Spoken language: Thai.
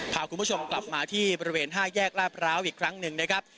พาคุณผู้ชมกลับมาที่บริเวณ๕แยกลาดพร้าวอีกครั้งหนึ่งนะครับ